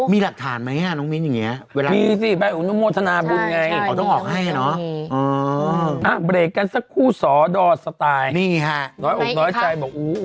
มีหลักฐานไหมน้องมินอย่างเนี่ยเวลามีสิไปอุโณโมทนาบุญไง